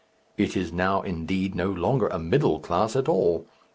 It is now, indeed, no longer a middle class at all.